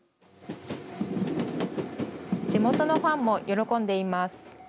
地元のファンも喜んでいます。